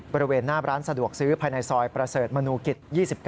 บริเวณหน้าร้านสะดวกซื้อภายในซอยประเสริฐมนูกิจ๒๙